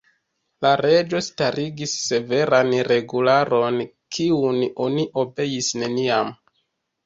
La Reĝo starigis severan regularon, kiun oni obeis neniam.